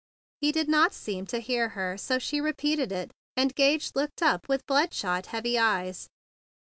He did not seem to hear her; so she repeated it, and Gage looked up with bloodshot, heavy eyes.